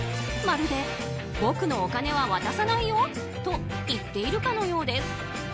まるで僕のお金は渡さないよ！と言っているかのようです。